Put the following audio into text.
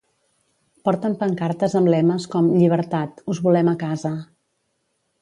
Porten pancartes amb lemes com Llibertat, us volem a casa.